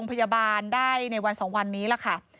พยาบาลได้ในวัน๒วันนี้ล่ะค่ะ